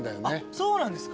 そうなんですか。